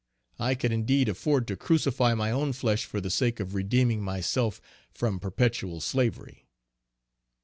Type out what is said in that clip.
I could indeed afford to crucify my own flesh for the sake of redeeming myself from perpetual slavery.